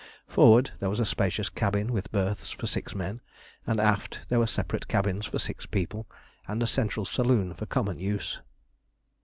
Forward there was a spacious cabin with berths for six men, and aft there were separate cabins for six people, and a central saloon for common use.